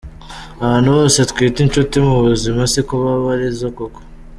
Abantu bose twita inshuti mu buzima siko baba ari zo koko.